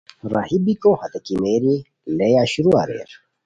راہی بیکو ہتے کیمیری لئے اشرو اریر